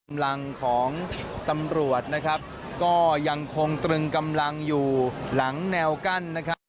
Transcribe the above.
กำลังของตำรวจนะครับก็ยังคงตรึงกำลังอยู่หลังแนวกั้นนะครับ